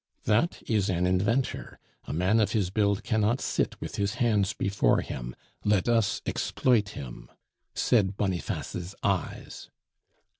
"That is an inventor, a man of his build cannot sit with his hands before him. Let us exploit him," said Boniface's eyes.